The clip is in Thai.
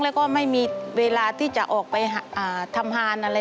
แล้วก็ไม่มีเวลาที่จะออกไปทำฮานอะไร